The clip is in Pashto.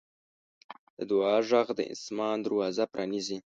د دعا غږ د اسمان دروازه پرانیزي.